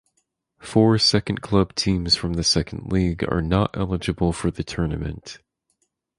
Four second club teams from the Second League are not eligible for the tournament.